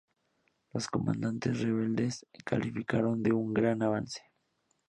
Los comandantes rebeldes calificaron de "un gran avance".